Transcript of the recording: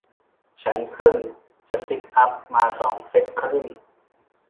ฉันเพิ่งจะซิทอัพมาสองเซ็ทครึ่ง